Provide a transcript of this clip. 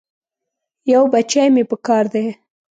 یو بچی مې پکار دی.